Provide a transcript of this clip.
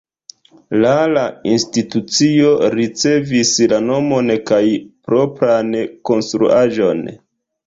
La la institucio ricevis la nomon kaj propran konstruaĵon.